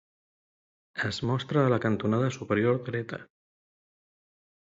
Es mostra a la cantonada superior dreta.